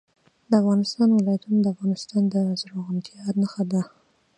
د افغانستان ولايتونه د افغانستان د زرغونتیا نښه ده.